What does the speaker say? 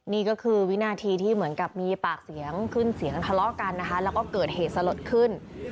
นี่ก็คือวินาทีที่เหมือนกับมีปากเสียงขึ้นเสียงทะเลาะกันนะคะแล้วก็เกิดเหตุสลดขึ้น